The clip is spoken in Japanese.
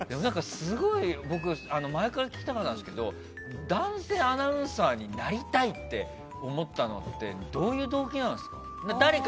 すごい、僕前から聞きたかったんですけど男性アナウンサーになりたいって思ったのってどういう動機なんですか？